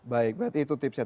baik berarti itu tipsnya